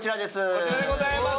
こちらでございます